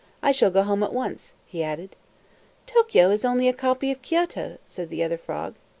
I shall go home at once," he added. "Tokio is only a copy of Kioto," said the other frog.